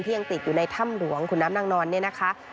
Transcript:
ยังติดอยู่ในถ้ำหลวงขุนน้ำนางนอนเนี่ยนะคะ